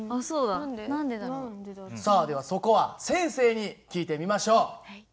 さあではそこは先生に聞いてみましょう。